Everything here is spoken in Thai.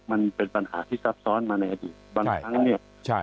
มันเป็นปัญหาที่ซับซ้อนมาในอดีตบางครั้งเนี่ยใช่